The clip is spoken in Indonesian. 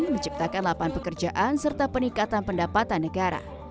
menciptakan lapangan pekerjaan serta peningkatan pendapatan negara